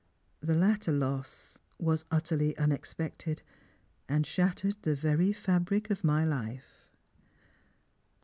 The latter loss was utterly unexpected, and shattered the very fabric of my life."